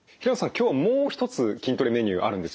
今日はもう一つ筋トレメニューあるんですよね。